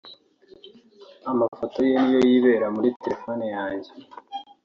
Amafoto ye niyo yibera muri telephone yanjye